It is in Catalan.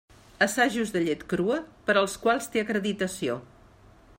Assajos de llet crua per als quals té acreditació.